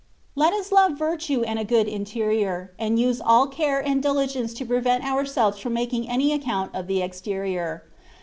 Let us love virtue and a good interior, and use all care and diligence to prevent ourselves from making any account of the exterior.